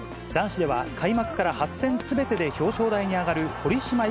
男子では、開幕から８戦すべてで表彰台に上がる堀島